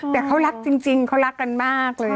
แต่เขารักจริงเขารักกันมากเลย